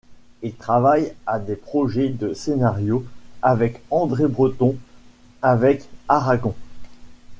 Il travaille à des projets de scénarios avec André Breton, avec Aragon.